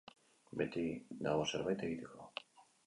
Beti dago zerbait egiteko.